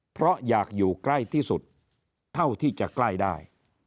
เพราะอยากอยู่ใกล้ที่สุดเท่าที่จะใกล้ได้